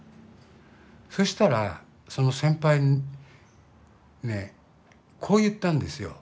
そしたらその先輩ねこう言ったんですよ。